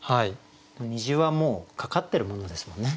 虹はもうかかってるものですもんね。